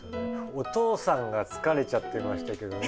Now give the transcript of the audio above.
お父さんが疲れちゃってましたけどね。